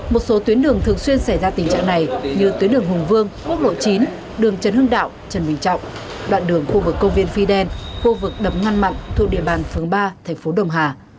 một số tuyến đường thường xuyên xảy ra tình trạng này như tuyến đường hùng vương quốc lộ chín đường trần hưng đạo trần bình trọng đoạn đường khu vực công viên phi đen khu vực đập ngăn mặn thuộc địa bàn phướng ba thành phố đồng hà